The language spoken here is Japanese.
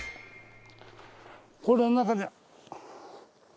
この中で。